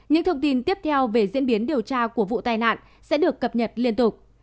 những thông tin tiếp theo về diễn biến điều tra của vụ tai nạn sẽ được cập nhật liên tục